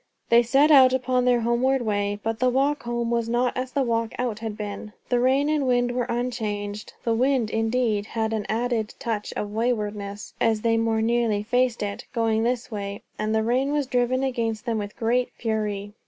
They set out upon their homeward way, but the walk home was not as the walk out had been. The rain and the wind were unchanged; the wind, indeed, had an added touch of waywardness as they more nearly faced it, going this way; and the rain was driven against them with greater fury.